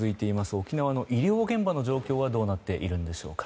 沖縄の医療現場の状況はどうなっているんでしょうか。